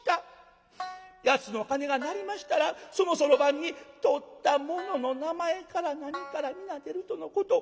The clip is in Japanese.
八つの鐘が鳴りましたらそのそろばんに盗った者の名前から何から皆出るとのこと。